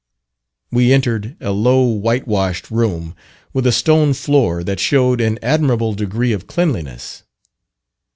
We entered a low whitewashed room, with a stone floor that showed an admirable degree of cleanness.